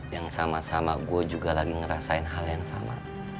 yang sama sama gue juga lagi ngerasain hal yang sama